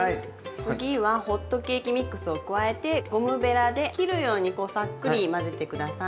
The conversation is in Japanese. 次はホットケーキミックスを加えてゴムベラで切るようにこうさっくり混ぜて下さい。